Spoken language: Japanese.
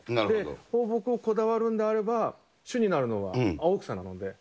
放牧をこだわるんであれば、主になるのは青草なので。